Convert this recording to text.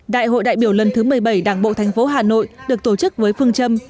đại hội đại biểu lần thứ một mươi bảy đảng bộ thành phố hà nội được tổ chức với phương châm